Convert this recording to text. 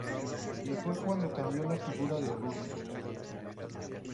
Y fue cuando surgió la figura de Rush.